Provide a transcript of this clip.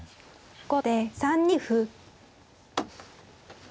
後手３二歩。